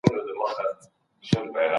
موږ د خپلو پښو په مینځلو بوخت یو.